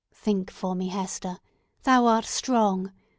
"Think for me, Hester! Thou art strong.